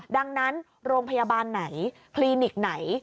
ดังนั้นโรงพยาบาลไหนคลินิกไหน